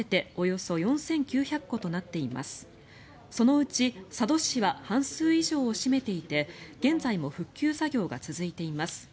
そのうち、佐渡市は半数以上を占めていて現在も復旧作業が続いています。